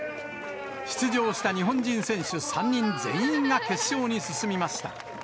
出場した日本人選手３人全員が決勝に進みました。